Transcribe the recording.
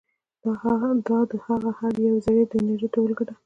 دا د هغه د هرې یوې ذرې د انرژي ټولګه ده.